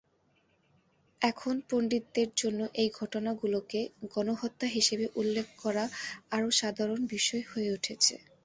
এখন পণ্ডিতদের জন্য এই ঘটনাগুলোকে গণহত্যা হিসেবে উল্লেখ করা আরও সাধারণ বিষয় হয়ে উঠেছে।